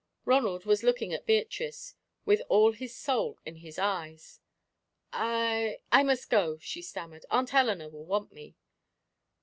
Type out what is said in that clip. Ronald was looking at Beatrice, with all his soul in his eyes. "I I must go," she stammered. "Aunt Eleanor will want me."